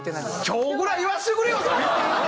今日ぐらい言わせてくれよ。